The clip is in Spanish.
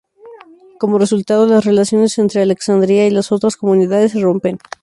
Como resultado, las relaciones entre Alexandría y las otras comunidades se rompen.